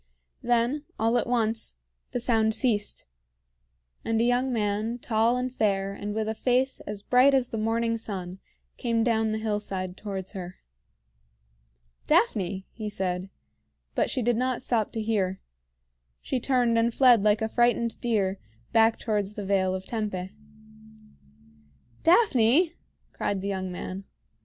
Then, all at once, the sound ceased, and a young man, tall and fair and with a face as bright as the morning sun, came down the hillside towards her. "Daphne!" he said; but she did not stop to hear. She turned and fled like a frightened deer, back towards the Vale of Tempe. "Daphne!" cried the young man.